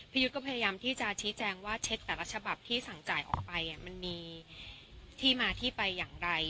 ยุทธก็พยายามที่จะชี้แจงว่าเช็คแต่ละฉบับที่สั่งจ่ายออกไปมันมีที่มาที่ไปอย่างไร